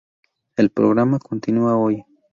El programa continúa hoy.